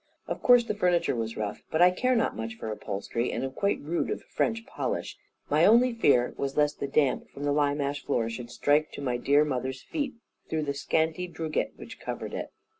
Of course the furniture was rough, but I care not much for upholstery, and am quite rude of French polish. My only fear was lest the damp from the lime ash floor should strike to my dear mother's feet, through the scanty drugget which covered it.